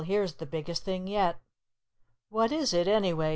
"Here's the biggest thing yet." "What is it anyway?"